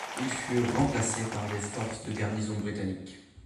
Ils furent remplacés par des forces de garnison britannique.